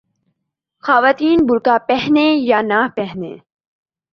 خواتین برقعہ پہنتیں یا نہ پہنتیں۔